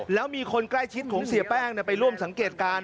แล้วมีคนใกล้ชิดของเสียแป้งไปร่วมสังเกตการณ